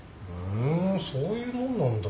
えそういうもんなんだ。